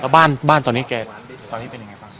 บ้านตอนนี้เป็นยังไงครับ